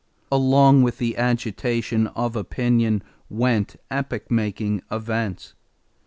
Along with the agitation of opinion went epoch making events.